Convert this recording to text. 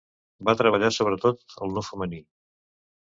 Va treballar sobretot el nu femení.